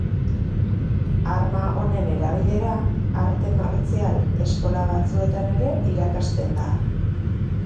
Arma honen erabilera, arte martzial eskola batzuetan ere irakasten da.